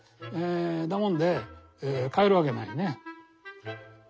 だもんで買えるわけないね。